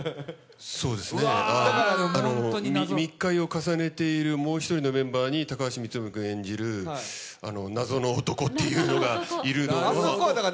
そうですね、密会と重ねているもう一人のメンバーに高橋光臣君演じる謎の男というのがいるのが。